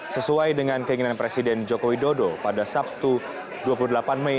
sesuai dengan keinginan presiden joko widodo pada sabtu dua puluh delapan mei